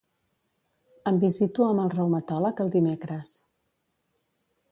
Em visito amb el reumatòleg el dimecres.